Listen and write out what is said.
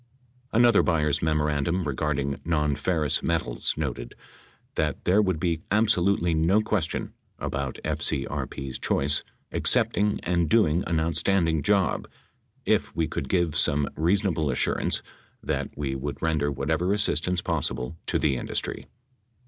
Another Byers memorandum regarding nonferrous metals noted that "there would be absolutely no question" about FCRP's choice "accepting and doing an outstanding job ... if we could give some reasonable assurance that we would render whatever assistance possible to the industry."